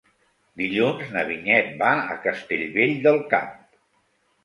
Dilluns na Vinyet va a Castellvell del Camp.